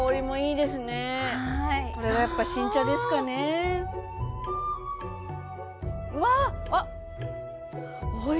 これがやっぱ新茶ですかねわあうわ！